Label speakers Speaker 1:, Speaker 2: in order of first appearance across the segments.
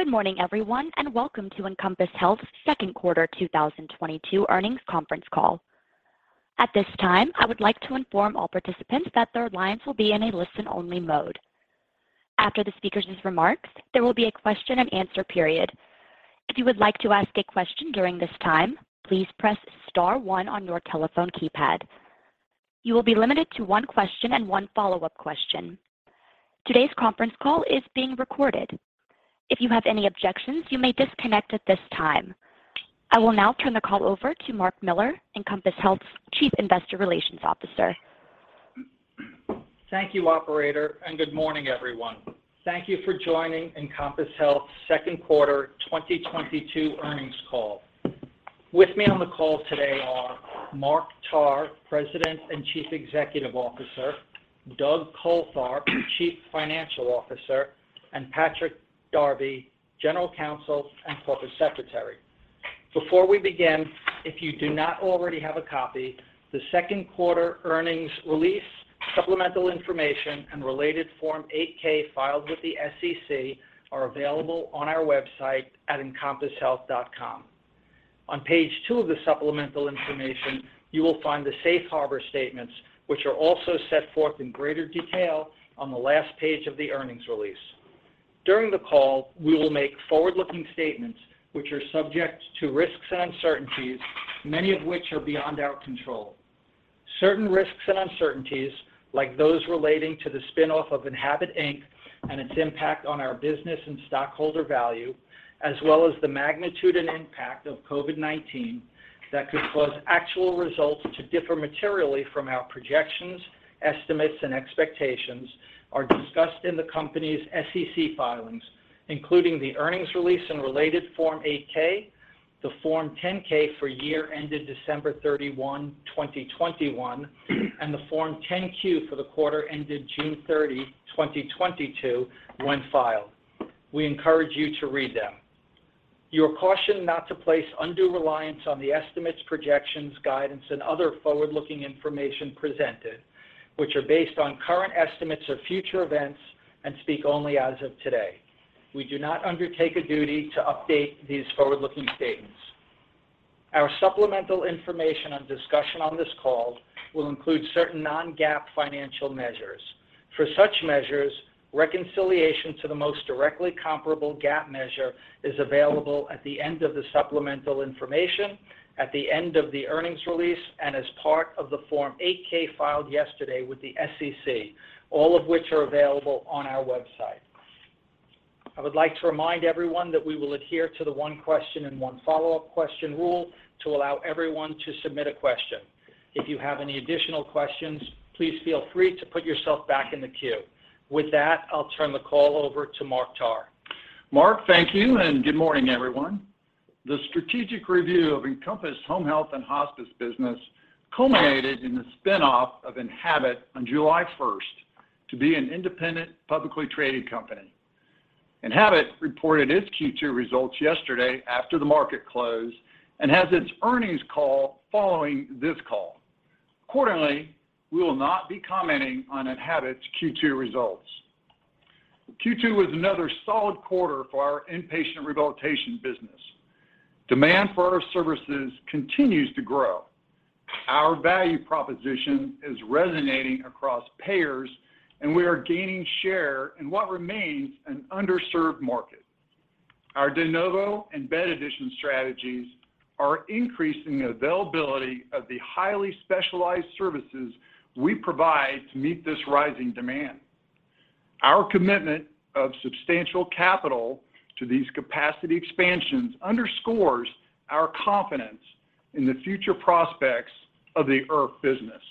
Speaker 1: Good morning everyone, and welcome to Encompass Health Second Quarter 2022 Earnings Conference Call. At this time, I would like to inform all participants that their lines will be in a listen-only mode. After the speakers' remarks, there will be a question and answer period. If you would like to ask a question during this time, please press star one on your telephone keypad. You will be limited to one question and one follow-up question. Today's conference call is being recorded. If you have any objections, you may disconnect at this time. I will now turn the call over to Mark Miller, Encompass Health's Chief Investor Relations Officer.
Speaker 2: Thank you, operator, and good morning, everyone. Thank you for joining Encompass Health second quarter 2022 earnings call. With me on the call today are Mark Tarr, President and Chief Executive Officer, Doug Coltharp, Chief Financial Officer, and Patrick Darby, General Counsel and Corporate Secretary. Before we begin, if you do not already have a copy, the second quarter earnings release, supplemental information, and related Form 8-K filed with the SEC are available on our website at encompasshealth.com. On page two of the supplemental information, you will find the safe harbor statements which are also set forth in greater detail on the last page of the earnings release. During the call, we will make forward-looking statements which are subject to risks and uncertainties, many of which are beyond our control. Certain risks and uncertainties, like those relating to the spin-off of Enhabit, Inc.. Its impact on our business and stockholder value, as well as the magnitude and impact of COVID-19 that could cause actual results to differ materially from our projections, estimates, and expectations are discussed in the company's SEC filings, including the earnings release and related Form 8-K, the Form 10-K for year ended December 31, 2021, and the Form 10-Q for the quarter ended June 30, 2022 when filed. We encourage you to read them. You are cautioned not to place undue reliance on the estimates, projections, guidance, and other forward-looking information presented, which are based on current estimates of future events and speak only as of today. We do not undertake a duty to update these forward-looking statements. Our supplemental information and discussion on this call will include certain non-GAAP financial measures. For such measures, reconciliation to the most directly comparable GAAP measure is available at the end of the supplemental information, at the end of the earnings release, and as part of the Form 8-K filed yesterday with the SEC, all of which are available on our website. I would like to remind everyone that we will adhere to the one question and one follow-up question rule to allow everyone to submit a question. If you have any additional questions, please feel free to put yourself back in the queue. With that, I'll turn the call over to Mark Tarr.
Speaker 3: Mark, thank you, and good morning, everyone. The strategic review of Encompass Home Health and Hospice business culminated in the spin-off of Enhabit on July first to be an independent, publicly traded company. Enhabit reported its Q2 results yesterday after the market closed and has its earnings call following this call. Accordingly, we will not be commenting on Enhabit's Q2 results. Q2 was another solid quarter for our inpatient rehabilitation business. Demand for our services continues to grow. Our value proposition is resonating across payers, and we are gaining share in what remains an underserved market. Our de novo and bed addition strategies are increasing availability of the highly specialized services we provide to meet this rising demand. Our commitment of substantial capital to these capacity expansions underscores our confidence in the future prospects of the IRF business.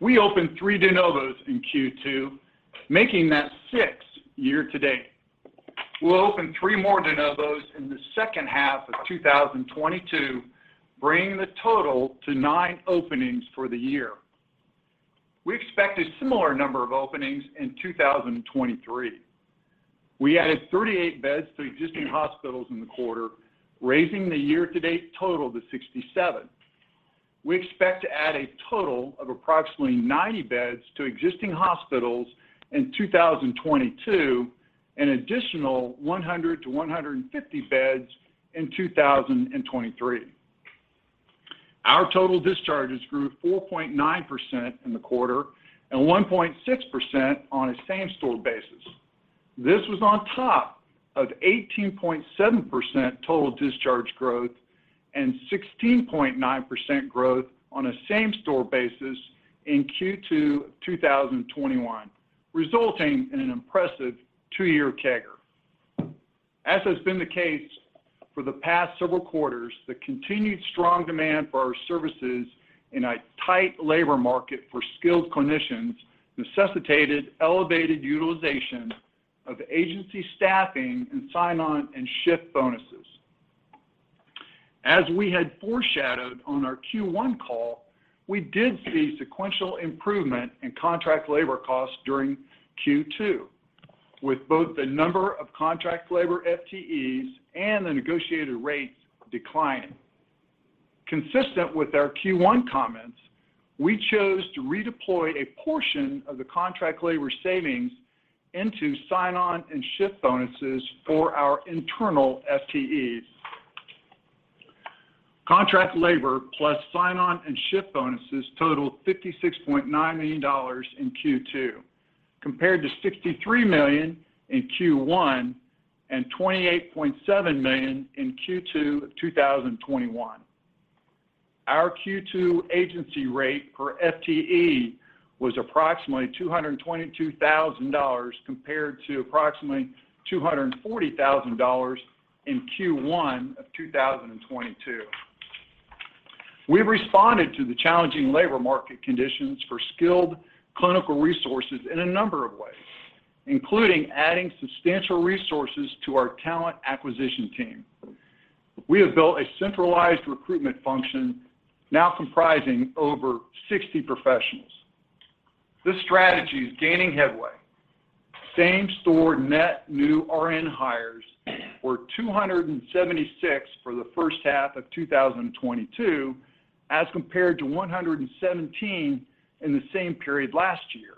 Speaker 3: We opened three de novo in Q2, making that six-year to date. We'll open three more de novo in the second half of 2022, bringing the total to nine openings for the year. We expect a similar number of openings in 2023. We added 38 beds to existing hospitals in the quarter, raising the year to date total to 67. We expect to add a total of approximately 90 beds to existing hospitals in 2022, an additional 100-150 beds in 2023. Our total discharges grew 4.9% in the quarter and 1.6% on a same-store basis. This was on top of 18.7% total discharge growth and 16.9% growth on a same-store basis in Q2 2021, resulting in an impressive two-year CAGR. As has been the case for the past several quarters, the continued strong demand for our services in a tight labor market for skilled clinicians necessitated elevated utilization of agency staffing and sign-on and shift bonuses. As we had foreshadowed on our Q1 call, we did see sequential improvement in contract labor costs during Q2, with both the number of contract labor FTEs and the negotiated rates declining. Consistent with our Q1 comments, we chose to redeploy a portion of the contract labor savings into sign-on and shift bonuses for our internal FTEs. Contract labor plus sign-on and shift bonuses totaled $56.9 million in Q2, compared to $63 million in Q1 and $28.7 million in Q2 of 2021. Our Q2 agency rate per FTE was approximately $222,000 compared to approximately $240,000 in Q1 of 2022. We've responded to the challenging labor market conditions for skilled clinical resources in a number of ways, including adding substantial resources to our talent acquisition team. We have built a centralized recruitment function now comprising over 60 professionals. This strategy is gaining headway. Same-store net new RN hires were 276 for the first half of 2022, as compared to 117 in the same period last year.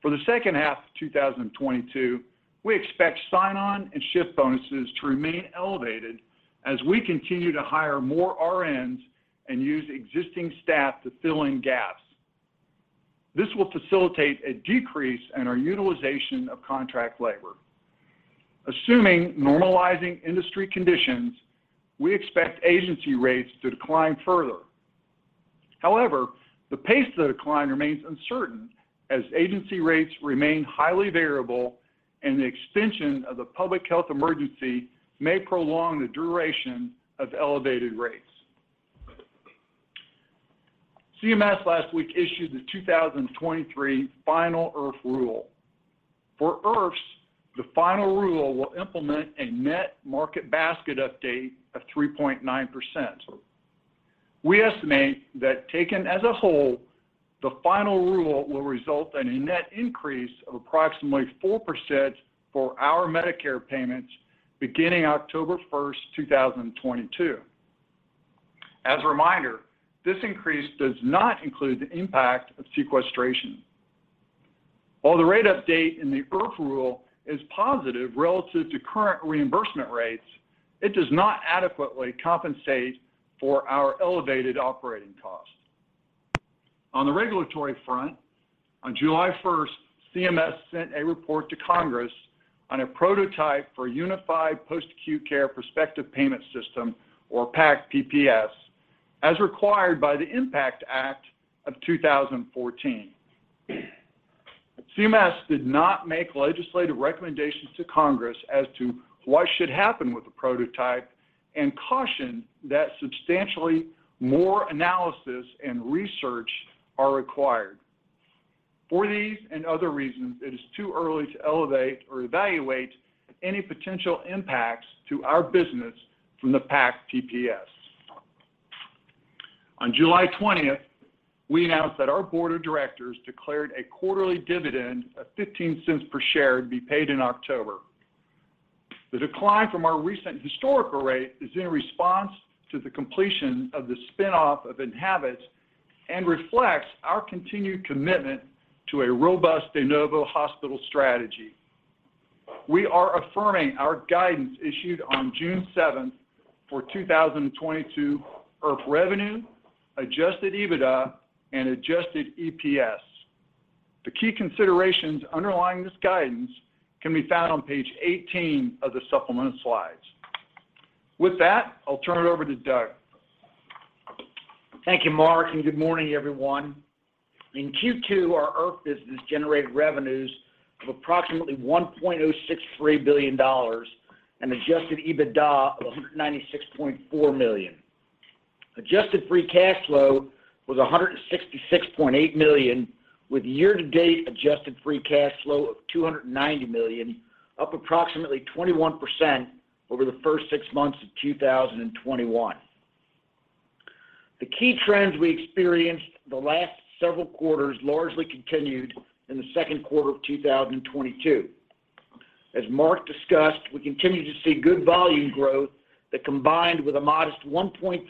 Speaker 3: For the second half of 2022, we expect sign-on and shift bonuses to remain elevated as we continue to hire more RNs and use existing staff to fill in gaps. This will facilitate a decrease in our utilization of contract labor. Assuming normalizing industry conditions, we expect agency rates to decline further. However, the pace of the decline remains uncertain as agency rates remain highly variable, and the extension of the public health emergency may prolong the duration of elevated rates. CMS last week issued the 2023 final IRF rule. For IRFs, the final rule will implement a net market basket update of 3.9%. We estimate that, taken as a whole, the final rule will result in a net increase of approximately 4% for our Medicare payments beginning October 1st, 2022. As a reminder, this increase does not include the impact of sequestration. While the rate update in the IRF rule is positive relative to current reimbursement rates, it does not adequately compensate for our elevated operating costs. On the regulatory front, on July 1st, CMS sent a report to Congress on a prototype for Unified Post-Acute Care Prospective Payment System, or PAC PPS, as required by the IMPACT Act of 2014. CMS did not make legislative recommendations to Congress as to what should happen with the prototype and cautioned that substantially more analysis and research are required. For these and other reasons, it is too early to elevate or evaluate any potential impacts to our business from the PAC PPS. On July 20th, we announced that our board of directors declared a quarterly dividend of $0.15 per share to be paid in October. The decline from our recent historical rate is in response to the completion of the spin-off of Enhabit and reflects our continued commitment to a robust de novo hospital strategy. We are affirming our guidance issued on June 7th for 2022 IRF revenue, Adjusted EBITDA, and Adjusted EPS. The key considerations underlying this guidance can be found on page 18 of the supplemental slides. With that, I'll turn it over to Doug.
Speaker 4: Thank you, Mark, and good morning, everyone. In Q2, our IRF business generated revenues of approximately $1.063 billion and Adjusted EBITDA of $196.4 million. Adjusted free cash flow was $166.8 million, with year-to-date adjusted free cash flow of $290 million, up approximately 21% over the first six months of 2021. The key trends we experienced the last several quarters largely continued in the second quarter of 2022. As Mark discussed, we continue to see good volume growth that combined with a modest 1.3%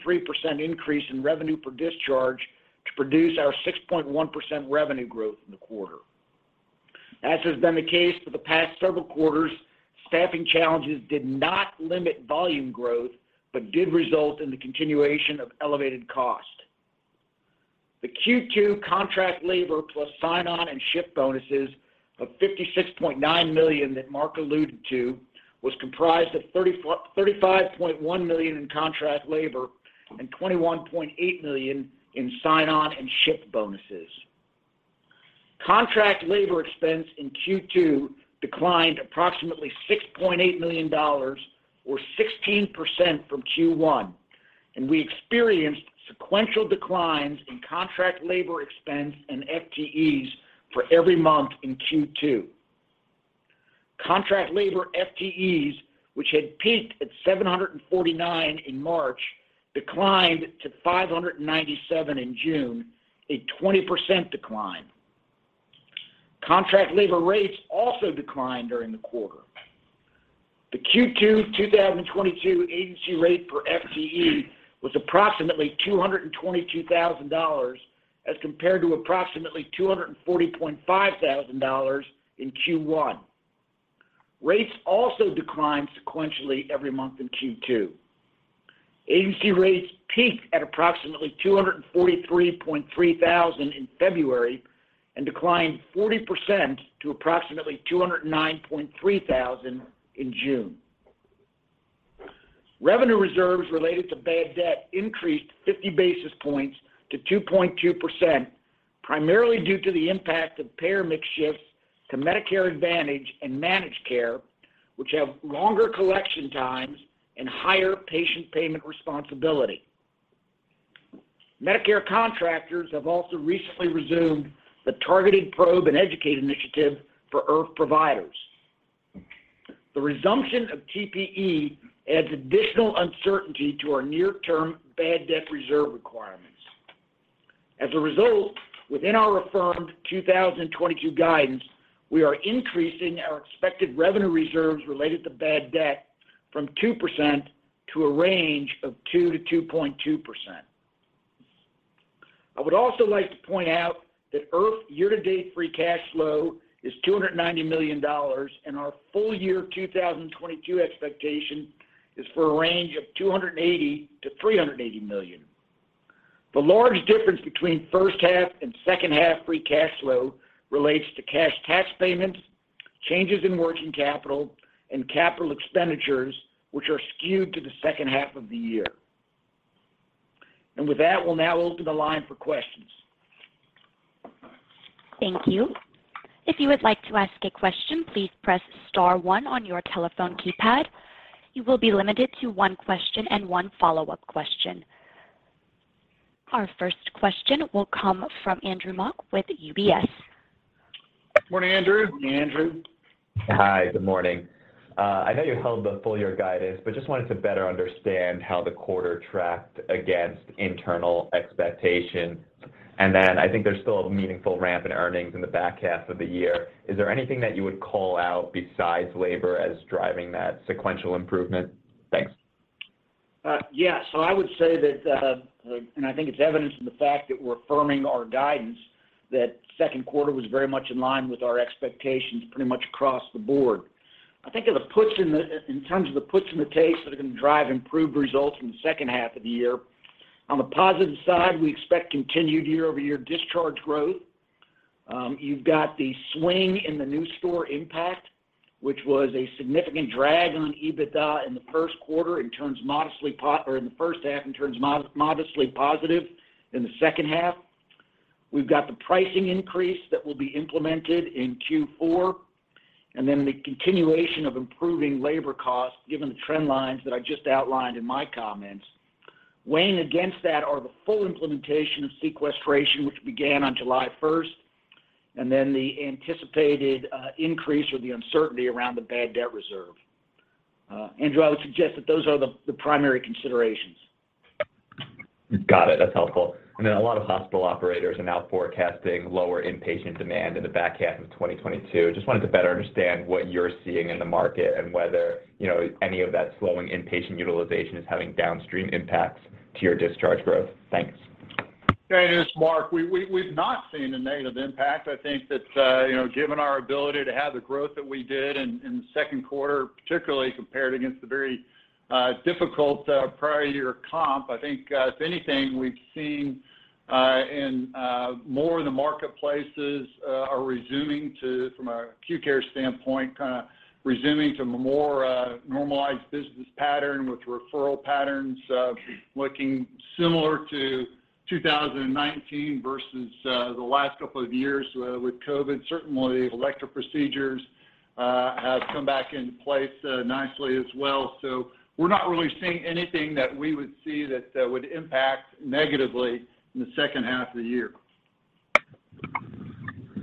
Speaker 4: increase in revenue per discharge to produce our 6.1% revenue growth in the quarter. As has been the case for the past several quarters, staffing challenges did not limit volume growth but did result in the continuation of elevated cost. The Q2 contract labor plus sign-on and shift bonuses of $56.9 million that Mark alluded to was comprised of $35.1 million in contract labor and $21.8 million in sign-on and shift bonuses. Contract labor expense in Q2 declined approximately $6.8 million or 16% from Q1, and we experienced sequential declines in contract labor expense and FTEs for every month in Q2. Contract labor FTEs, which had peaked at 749 in March, declined to 597 in June, a 20% decline. Contract labor rates also declined during the quarter. The Q2 2022 agency rate per FTE was approximately $222 thousand as compared to approximately $240.5 thousand in Q1. Rates also declined sequentially every month in Q2. Agency rates peaked at approximately $243.3 thousand in February and declined 40% to approximately $209.3 thousand in June. Revenue reserves related to bad debt increased 50 basis points to 2.2%, primarily due to the impact of payer mix shifts to Medicare Advantage and Managed Care, which have longer collection times and higher patient payment responsibility. Medicare contractors have also recently resumed the Targeted Probe and Educate initiative for IRF providers. The resumption of TPE, adds additional uncertainty to our near term bad debt reserve requirements. As a result, within our affirmed 2022 guidance, we are increasing our expected revenue reserves related to bad debt from 2% to a range of 2%-2.2%. I would also like to point out that IRF year-to-date free cash flow is $290 million, and our full year 2022 expectation is for a range of $280 million-$380 million. The large difference between first half and second half free cash flow relates to cash tax payments, changes in working capital and capital expenditures, which are skewed to the second half of the year. With that, we'll now open the line for questions.
Speaker 1: Thank you. If you would like to ask a question, please press star one on your telephone keypad. You will be limited to one question and one follow-up question. Our first question will come from Andrew Mok with UBS.
Speaker 4: Morning, Andrew.
Speaker 3: Morning, Andrew.
Speaker 5: Hi, good morning. I know you held the full year guidance, but just wanted to better understand how the quarter tracked against internal expectations. I think there's still a meaningful ramp in earnings in the back half of the year. Is there anything that you would call out besides labor as driving that sequential improvement? Thanks.
Speaker 4: Yeah. I would say that and I think it's evidenced in the fact that we're affirming our guidance, that second quarter was very much in line with our expectations pretty much across the board. In terms of the puts and the takes that are going to drive improved results in the second half of the year. On the positive side, we expect continued year-over-year discharge growth. You've got the swing in the new store impact, which was a significant drag on EBITDA in the first quarter and in the first half and turns modestly positive in the second half. We've got the pricing increase that will be implemented in Q4, and then the continuation of improving labor costs, given the trend lines that I just outlined in my comments. Weighing against that are the full implementation of sequestration, which began on July 1st, and then the anticipated increase or the uncertainty around the bad debt reserve. Andrew, I would suggest that those are the primary considerations.
Speaker 5: Got it. That's helpful. I know a lot of hospital operators are now forecasting lower inpatient demand in the back half of 2022. Just wanted to better understand what you're seeing in the market and whether, you know, any of that slowing inpatient utilization is having downstream impacts to your discharge growth. Thanks.
Speaker 3: Yeah. This is Mark. We've not seen a negative impact. I think that, you know, given our ability to have the growth that we did in the second quarter, particularly compared against the very difficult prior year comp. I think, if anything, we've seen in more of the marketplaces are resuming to, from acute care standpoint, kinda resuming to more normalized business pattern with referral patterns looking similar to 2019 versus the last couple of years with COVID. Certainly, elective procedures have come back in place nicely as well. We're not really seeing anything that we would see that would impact negatively in the second half of the year.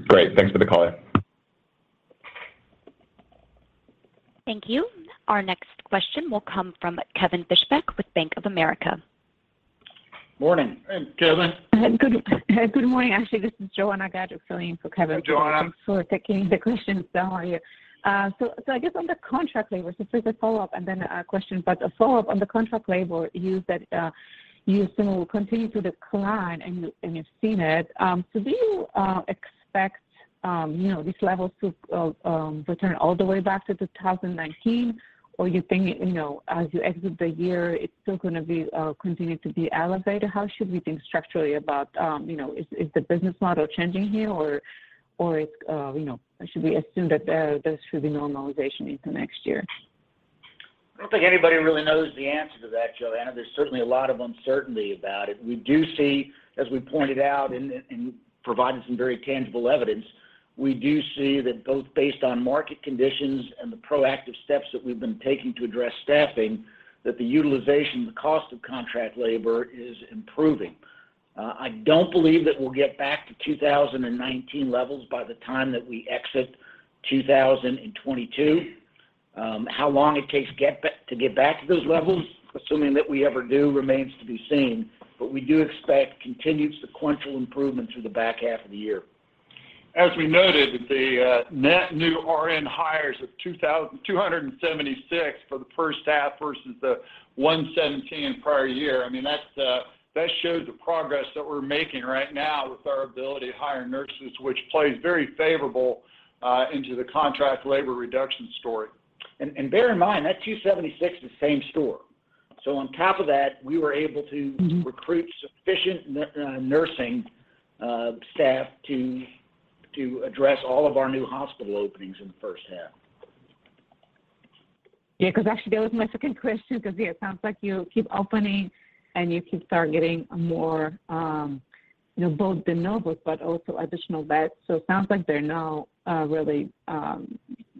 Speaker 5: Great. Thanks for the color.
Speaker 1: Thank you. Our next question will come from Kevin Fischbeck with Bank of America.
Speaker 4: Morning.
Speaker 3: Hey, Kevin.
Speaker 6: Good morning. Actually, this is Joanna Gajuk filling for Kevin.
Speaker 4: Hey, Joanna.
Speaker 6: Thanks for taking the questions. How are you? I guess on the contract labor, first a follow-up and then a question. A follow-up on the contract labor, you said you assume will continue to decline, and you've seen it. Do you expect you know these levels to return all the way back to 2019? Or you think you know as you exit the year, it's still gonna continue to be elevated? How should we think structurally about you know is the business model changing here or it's you know. Should we assume that there should be normalization into next year?
Speaker 4: I don't think anybody really knows the answer to that, Joanna. There's certainly a lot of uncertainty about it. We do see, as we pointed out and provided some very tangible evidence, we do see that both based on market conditions and the proactive steps that we've been taking to address staffing, that the utilization, the cost of contract labor is improving. I don't believe that we'll get back to 2019 levels by the time that we exit 2022. How long it takes to get back to those levels, assuming that we ever do, remains to be seen, but we do expect continued sequential improvement through the back half of the year.
Speaker 3: As we noted, the net new RN hires of 2,276 for the first half versus the 117 prior year, I mean, that shows the progress that we're making right now with our ability to hire nurses, which plays very favorable into the contract labor reduction story.
Speaker 4: Bear in mind that 276 is same-store. On top of that, we were able to recruit sufficient nursing staff to address all of our new hospital openings in the first half.
Speaker 6: Yeah, because actually, that was my second question, because, yeah, it sounds like you keep opening, and you keep start getting more, you know, both de novo but also additional beds. It sounds like there are no really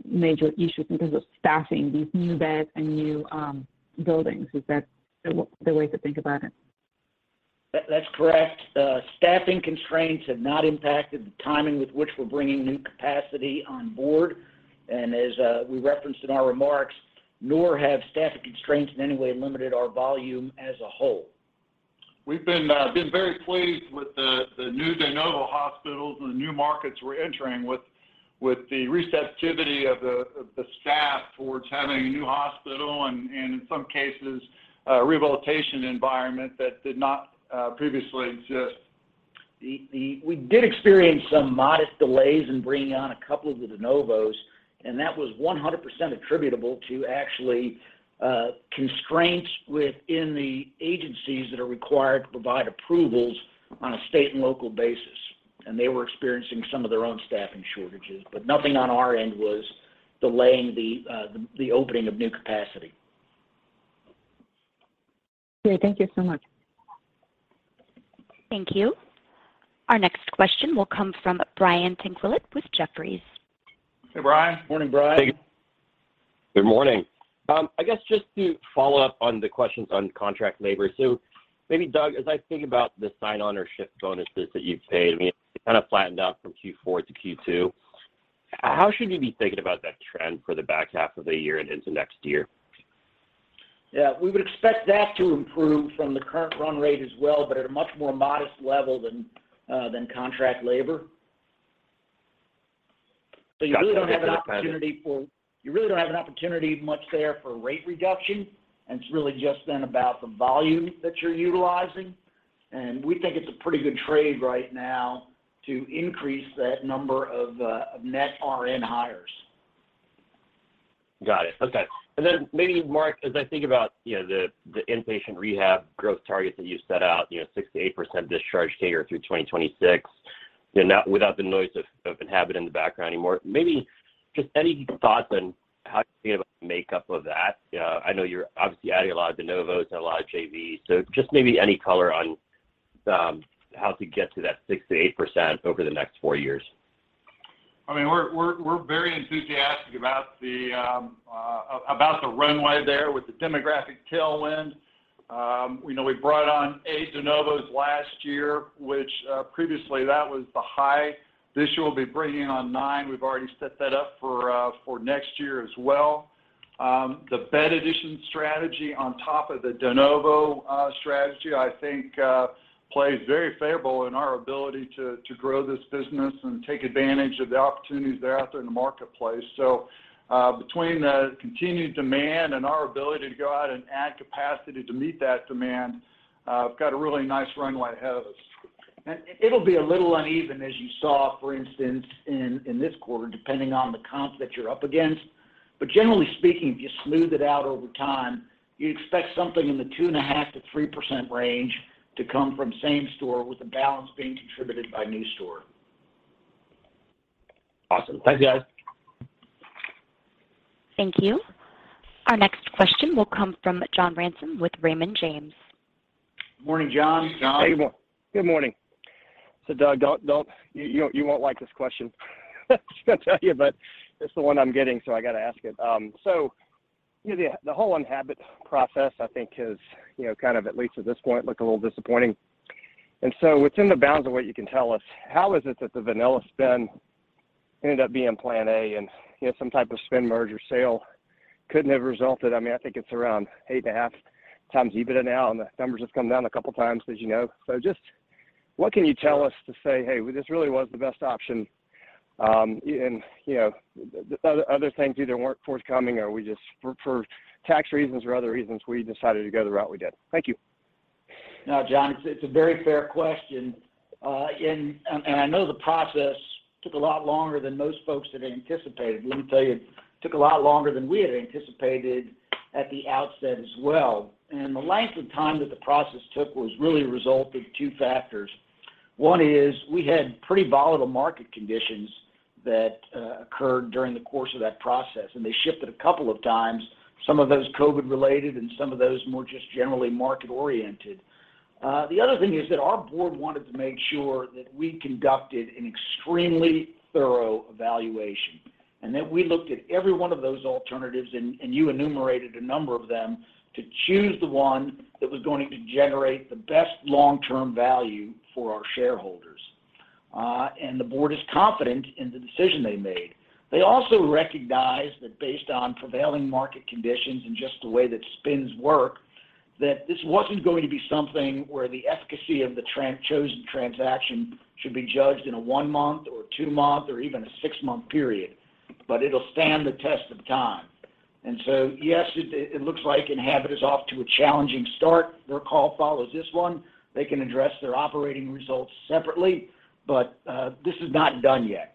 Speaker 6: major issues in terms of staffing these new beds and new buildings. Is that the way to think about it?
Speaker 4: That's correct. Staffing constraints have not impacted the timing with which we're bringing new capacity on board. As we referenced in our remarks, nor have staffing constraints in any way limited our volume as a whole.
Speaker 3: We've been very pleased with the new de novo hospitals and the new markets we're entering with the receptivity of the staff towards having a new hospital and in some cases, a rehabilitation environment that did not previously exist.
Speaker 4: We did experience some modest delays in bringing on a couple of the de novo, and that was 100% attributable to actually, constraints within the agencies that are required to provide approvals on a state and local basis. They were experiencing some of their own staffing shortages. Nothing on our end was delaying the opening of new capacity.
Speaker 6: Okay, thank you so much.
Speaker 1: Thank you. Our next question will come from Brian Tanquilut with Jefferies.
Speaker 3: Hey, Brian. Morning, Brian.
Speaker 7: Thank you. Good morning. I guess just to follow up on the questions on contract labor. Maybe Doug, as I think about the sign-on or shift bonuses that you've paid, I mean, it kind of flattened out from Q4 to Q2. How should we be thinking about that trend for the back half of the year and into next year?
Speaker 4: Yeah. We would expect that to improve from the current run rate as well, but at a much more modest level than contract labor. So you really don't have an opportunity much there for rate reduction, and it's really just then about the volume that you're utilizing. We think it's a pretty good trade right now to increase that number of net RN hires.
Speaker 7: Got it. Okay. Maybe Mark, as I think about, you know, the inpatient rehab growth targets that you set out, you know, 6%-8% discharge payer through 2026, you know, not without the noise of Enhabit in the background anymore, maybe just any thoughts on how you think about the makeup of that? I know you're obviously adding a lot of de novo and a lot of JVs, so just maybe any color on how to get to that 6%-8% over the next four years.
Speaker 3: I mean, we're very enthusiastic about the runway there with the demographic tailwind. We know we brought on eight de novo last year, which previously that was the high. This year, we'll be bringing on nine. We've already set that up for next year as well. The bed addition strategy on top of the de novo strategy, I think, plays very favorable in our ability to grow this business and take advantage of the opportunities that are out there in the marketplace. Between the continued demand and our ability to go out and add capacity to meet that demand, we've got a really nice runway ahead of us.
Speaker 4: It'll be a little uneven, as you saw, for instance, in this quarter, depending on the comp that you're up against. Generally speaking, if you smooth it out over time, you'd expect something in the 2.5%-3% range to come from same store, with the balance being contributed by new store.
Speaker 7: Awesome. Thanks, guys.
Speaker 1: Thank you. Our next question will come from John Ransom with Raymond James.
Speaker 3: Morning, John.
Speaker 8: Hey, good morning. Doug, don't, you won't like this question. I'm just gonna tell you, but it's the one I'm getting, so I gotta ask it. The whole Enhabit process, I think, has, you know, kind of, at least at this point, looked a little disappointing. Within the bounds of what you can tell us, how is it that the Vanilla spin ended up being plan A and, you know, some type of spin merger sale couldn't have resulted? I mean, I think it's around 8.5x EBITDA now, and the numbers have come down a couple times, as you know. Just what can you tell us to say, "Hey, this really was the best option, and, you know, other things either weren't forthcoming or we just for tax reasons or other reasons, we decided to go the route we did"? Thank you.
Speaker 3: No, John, it's a very fair question. I know the process took a lot longer than most folks had anticipated. Let me tell you, it took a lot longer than we had anticipated at the outset as well. The length of time that the process took was really a result of two factors. One is we had pretty volatile market conditions that occurred during the course of that process, and they shifted a couple of times, some of those COVID-related and some of those more just generally market-oriented. The other thing is that our board wanted to make sure that we conducted an extremely thorough evaluation and that we looked at every one of those alternatives, and you enumerated a number of them, to choose the one that was going to generate the best long-term value for our shareholders. The board is confident in the decision they made. They also recognize that based on prevailing market conditions and just the way that spins work, that this wasn't going to be something where the efficacy of the chosen transaction should be judged in a one-month or two-month or even a six-month period, but it'll stand the test of time. Yes, it looks like Enhabit is off to a challenging start. Their call follows this one. They can address their operating results separately, but this is not done yet.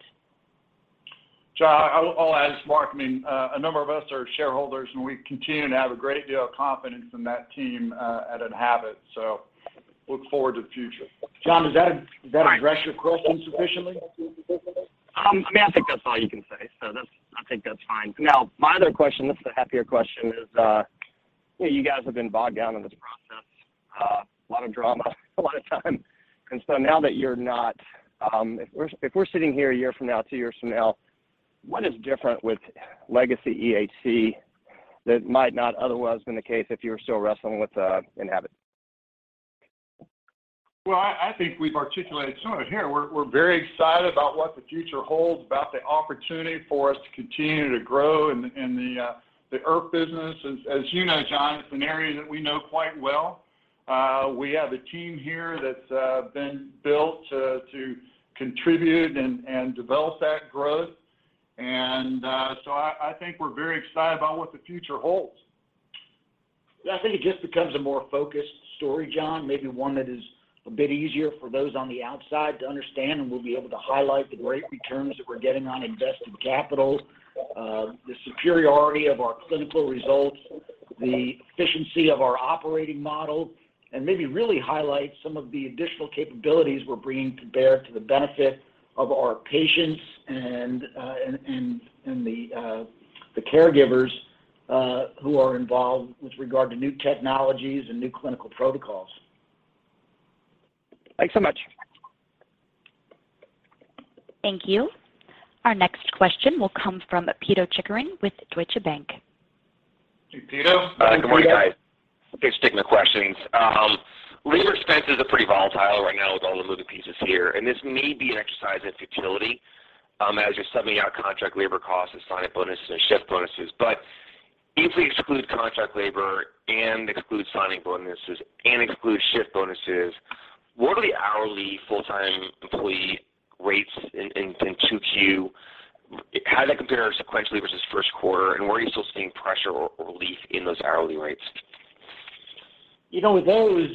Speaker 4: John, I'll add, as Mark, I mean, a number of us are shareholders, and we continue to have a great deal of confidence in that team at Enhabit, so look forward to the future.
Speaker 3: John, does that address your question sufficiently?
Speaker 8: I mean, I think that's all you can say. That's. I think that's fine. Now my other question, this is a happier question, is, you know, you guys have been bogged down in this process, a lot of drama, a lot of time. Now that you're not, if we're sitting here a year from now, two years from now, what is different with legacy EHC that might not otherwise been the case if you were still wrestling with Enhabit?
Speaker 3: Well, I think we've articulated some of it here. We're very excited about what the future holds, about the opportunity for us to continue to grow in the IRF business. As you know, John, it's an area that we know quite well. We have a team here that's been built to contribute and develop that growth. I think we're very excited about what the future holds.
Speaker 4: I think it just becomes a more focused story, John, maybe one that is a bit easier for those on the outside to understand, and we'll be able to highlight the great returns that we're getting on invested capital, the superiority of our clinical results, the efficiency of our operating model, and maybe really highlight some of the additional capabilities we're bringing to bear to the benefit of our patients and the caregivers who are involved with regard to new technologies and new clinical protocols.
Speaker 8: Thanks so much.
Speaker 1: Thank you. Our next question will come from Pito Chickering with Deutsche Bank.
Speaker 3: Hey, Pito.
Speaker 9: Good morning.
Speaker 4: Hi, Pito.
Speaker 9: Thanks for taking the questions. Labor expenses are pretty volatile right now with all the moving pieces here, and this may be an exercise in futility, as you're sending out contract labor costs and sign-up bonuses and shift bonuses. If we exclude contract labor and exclude signing bonuses and exclude shift bonuses, what are the hourly full-time employee rates in 2Q? How does that compare sequentially versus first quarter? And where are you still seeing pressure or relief in those hourly rates?
Speaker 4: You know, with those,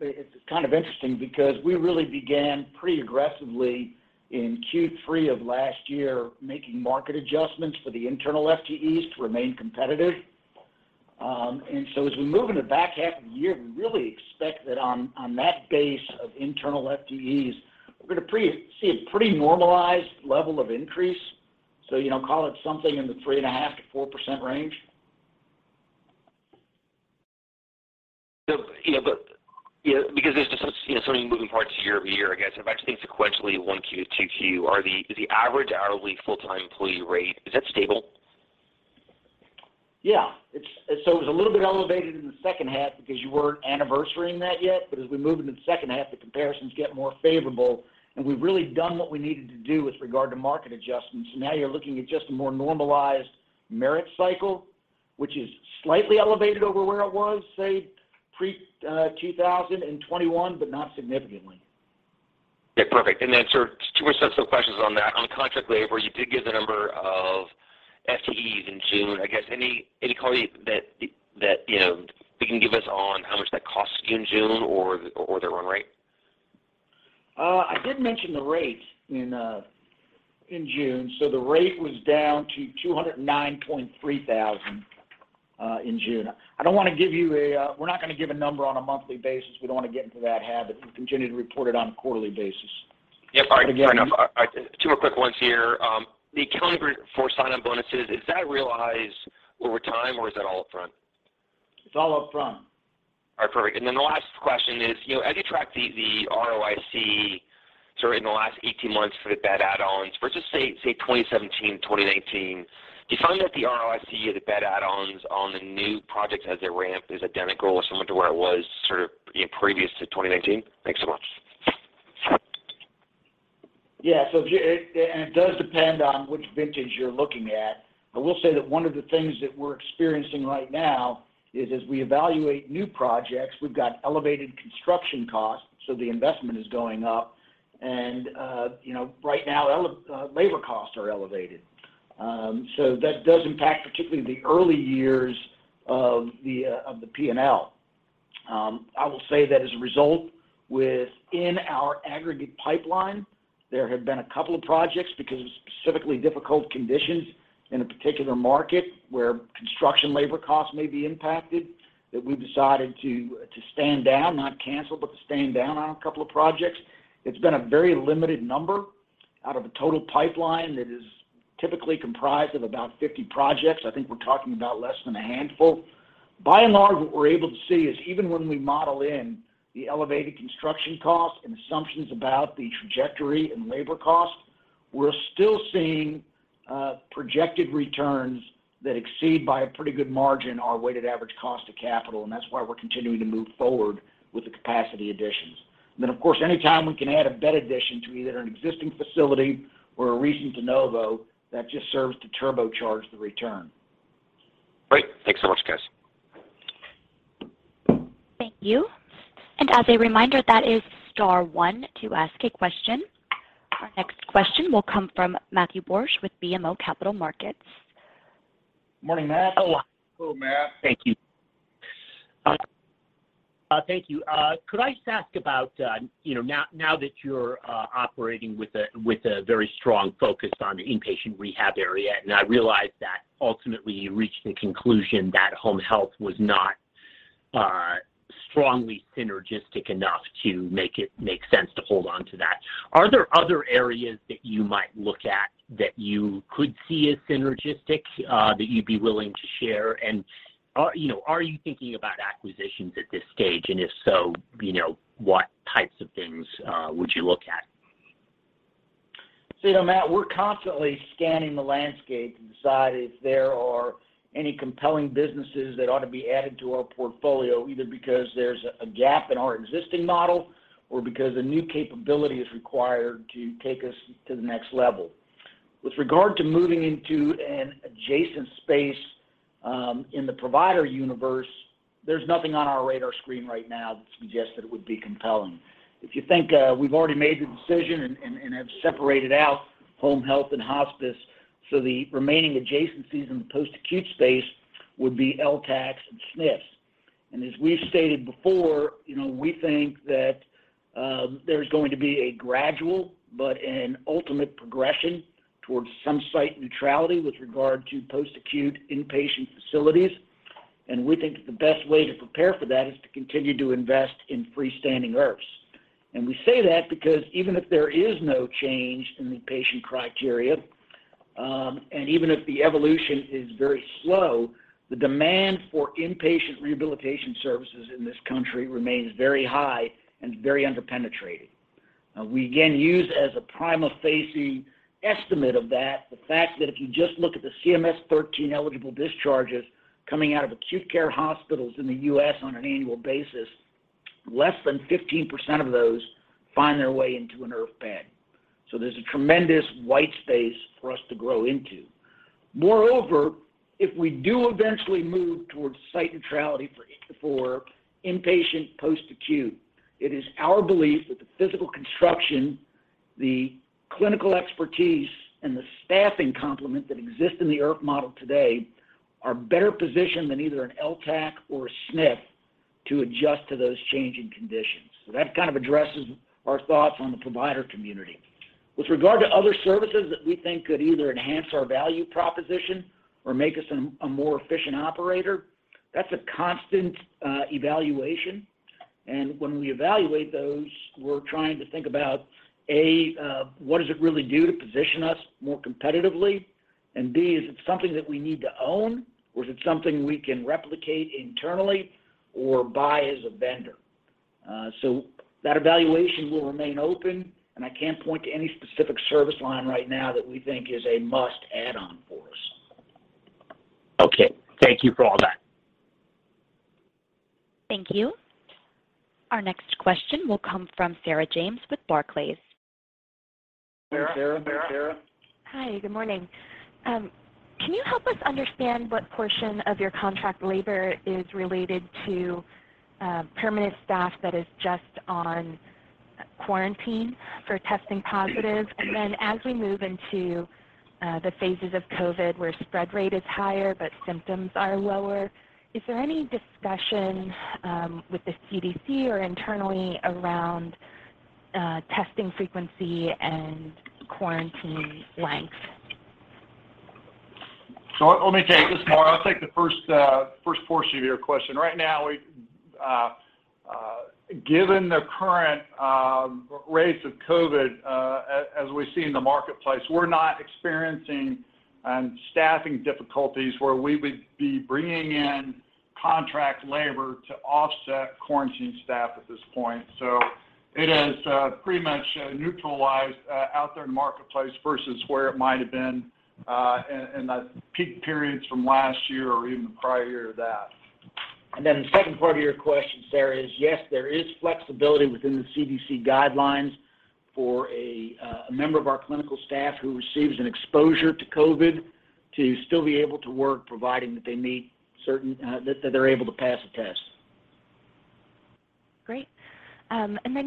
Speaker 4: it's kind of interesting because we really began pretty aggressively in Q3 of last year, making market adjustments for the internal FTEs to remain competitive. As we move in the back half of the year, we really expect that on that base of internal FTEs, we're gonna see a pretty normalized level of increase. You know, call it something in the 3.5%-4% range.
Speaker 9: you know, but, you know, because there's just, you know, so many moving parts year-over-year, I guess if I just think sequentially 1Q to 2Q, is the average hourly full-time employee rate, is that stable?
Speaker 4: Yeah. It's a little bit elevated in the second half because you weren't anniversarying that yet. As we move into the second half, the comparisons get more favorable, and we've really done what we needed to do with regard to market adjustments. Now you're looking at just a more normalized merit cycle, which is slightly elevated over where it was, say, pre-2021, but not significantly.
Speaker 9: Yeah. Perfect. Sir, two more subset questions on that. On contract labor, you did give the number of FTEs in June. I guess any color that you know you can give us on how much that cost you in June or the run rate?
Speaker 4: I did mention the rates in June, so the rate was down to $209.3 thousand in June. We're not gonna give a number on a monthly basis. We don't wanna get into that habit. We continue to report it on a quarterly basis.
Speaker 9: Yeah. All right.
Speaker 4: Again-
Speaker 9: Fair enough. Two more quick ones here. The accounting for sign-on bonuses, is that realized over time, or is that all up front?
Speaker 4: It's all up front.
Speaker 9: All right, perfect. Then the last question is, you know, as you track the ROIC, sort of in the last 18 months for the bed add-ons versus, say, 2017 to 2019, do you find that the ROIC of the bed add-ons on the new projects as they ramp is identical or similar to where it was sort of, you know, previous to 2019? Thanks so much.
Speaker 4: Yeah. It does depend on which vintage you're looking at. I will say that one of the things that we're experiencing right now is as we evaluate new projects, we've got elevated construction costs, so the investment is going up. You know, right now labor costs are elevated. That does impact particularly the early years of the P&L. I will say that as a result within our aggregate pipeline, there have been a couple of projects because of specifically difficult conditions in a particular market where construction labor costs may be impacted, that we've decided to stand down, not cancel, but to stand down on a couple of projects. It's been a very limited number out of a total pipeline that is typically comprised of about 50 projects. I think we're talking about less than a handful. By and large, what we're able to see is even when we model in the elevated construction costs and assumptions about the trajectory in labor costs. We're still seeing projected returns that exceed by a pretty good margin our weighted average cost of capital, and that's why we're continuing to move forward with the capacity additions. Then, of course, any time we can add a bed addition to either an existing facility or a recent de novo, that just serves to turbocharge the return.
Speaker 9: Great. Thanks so much, guys.
Speaker 1: Thank you. As a reminder, that is star one to ask a question. Our next question will come from Matthew Borsch with BMO Capital Markets.
Speaker 4: Morning, Matthew.
Speaker 10: Hello.
Speaker 4: Hello, Matt.
Speaker 10: Thank you. Thank you. Could I just ask about, you know, now that you're operating with a very strong focus on the inpatient rehab area, and I realize that ultimately you reached the conclusion that home health was not strongly synergistic enough to make it make sense to hold onto that. Are there other areas that you might look at that you could see as synergistic that you'd be willing to share? Are you thinking about acquisitions at this stage? If so, you know, what types of things would you look at?
Speaker 3: You know, Matt, we're constantly scanning the landscape to decide if there are any compelling businesses that ought to be added to our portfolio, either because there's a gap in our existing model or because a new capability is required to take us to the next level. With regard to moving into an adjacent space, in the provider universe, there's nothing on our radar screen right now that suggests that it would be compelling. If you think, we've already made the decision and have separated out home health and hospice, so the remaining adjacencies in the post-acute space would be LTACs and SNFs. As we've stated before, you know, we think that, there's going to be a gradual but an ultimate progression towards some site neutrality with regard to post-acute inpatient facilities, and we think that the best way to prepare for that is to continue to invest in freestanding IRFs. We say that because even if there is no change in the patient criteria, and even if the evolution is very slow, the demand for inpatient rehabilitation services in this country remains very high and very under-penetrated. Now, we again use as a prima facie estimate of that the fact that if you just look at the CMS-13 eligible discharges coming out of acute care hospitals in the U.S. on an annual basis, less than 15% of those find their way into an IRF bed. There's a tremendous white space for us to grow into. Moreover, if we do eventually move towards site neutrality for inpatient post-acute, it is our belief that the physical construction, the clinical expertise, and the staffing complement that exist in the IRF model today are better positioned than either an LTACs or a SNF to adjust to those changing conditions. That kind of addresses our thoughts on the provider community. With regard to other services that we think could either enhance our value proposition or make us a more efficient operator, that's a constant evaluation, and when we evaluate those, we're trying to think about A, what does it really do to position us more competitively, and B, is it something that we need to own, or is it something we can replicate internally or buy as a vendor? That evaluation will remain open, and I can't point to any specific service line right now that we think is a must add-on for us.
Speaker 10: Okay. Thank you for all that.
Speaker 1: Thank you. Our next question will come from Sarah James with Barclays.
Speaker 4: Sarah? Good morning, Sarah.
Speaker 11: Hi. Good morning. Can you help us understand what portion of your contract labor is related to permanent staff that is just on quarantine for testing positive? Then as we move into the phases of COVID where spread rate is higher, but symptoms are lower, is there any discussion with the CDC or internally around testing frequency and quarantine length?
Speaker 4: Let me take this, Mark. I'll take the first portion of your question. Right now, given the current rates of COVID as we see in the marketplace, we're not experiencing staffing difficulties where we would be bringing in contract labor to offset quarantined staff at this point. It is pretty much neutralized out there in the marketplace versus where it might have been in the peak periods from last year or even the prior year to that. Then the second part of your question, Sarah, is yes, there is flexibility within the CDC guidelines for a member of our clinical staff who receives an exposure to COVID to still be able to work, providing that they meet certain that they're able to pass a test.
Speaker 11: Great.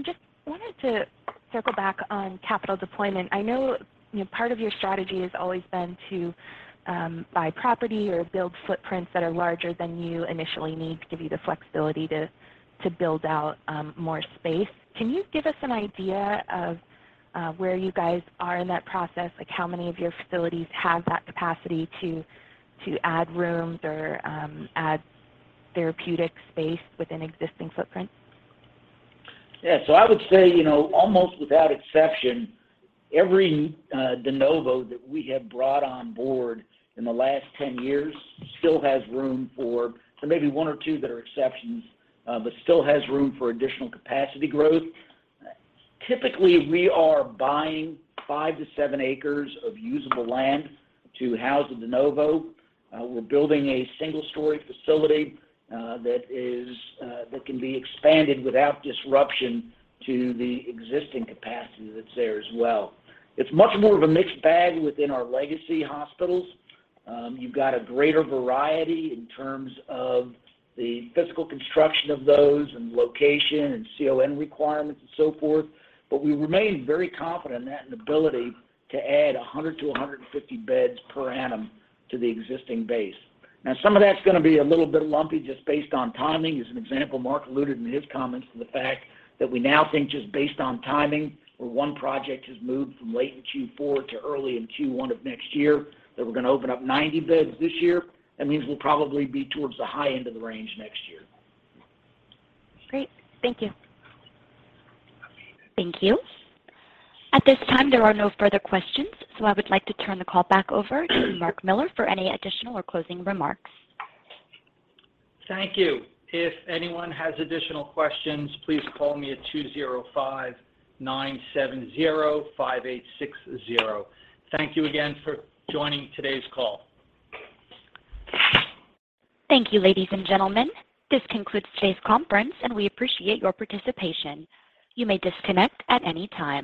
Speaker 11: Just wanted to circle back on capital deployment. I know, you know, part of your strategy has always been to buy property or build footprints that are larger than you initially need to give you the flexibility to build out more space. Can you give us an idea of where you guys are in that process? Like, how many of your facilities have that capacity to add rooms or add therapeutic space within existing footprints?
Speaker 4: Yeah. I would say, you know, almost without exception, every de novo that we have brought on board in the last 10 years still has room for additional capacity growth. There may be one or two that are exceptions, but still has room for additional capacity growth. Typically, we are buying five-seven acres of usable land to house a de novo. We're building a single-story facility that can be expanded without disruption to the existing capacity that's there as well. It's much more of a mixed bag within our legacy hospitals. You've got a greater variety in terms of the physical construction of those and location and CON requirements and so forth, but we remain very confident in that and ability to add 100-150 beds per annum to the existing base. Now, some of that's gonna be a little bit lumpy just based on timing. As an example, Mark alluded in his comments to the fact that we now think just based on timing, where one project has moved from late in Q4 to early in Q1 of next year, that we're gonna open up 90 beds this year. That means we'll probably be towards the high end of the range next year.
Speaker 11: Great. Thank you.
Speaker 1: Thank you. At this time, there are no further questions, so I would like to turn the call back over to Mark Miller for any additional or closing remarks.
Speaker 2: Thank you. If anyone has additional questions, please call me at 205-970-5860. Thank you again for joining today's call.
Speaker 1: Thank you, ladies and gentlemen. This concludes today's conference, and we appreciate your participation. You may disconnect at any time.